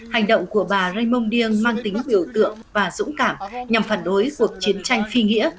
hành động của bà raymond dieng mang tính biểu tượng và dũng cảm nhằm phản đối cuộc chiến tranh phi nghĩa